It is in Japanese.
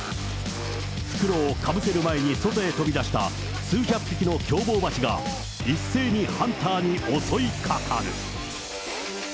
袋をかぶせる前に外へ飛び出した数百匹の凶暴バチが、一斉にハンターに襲いかかる。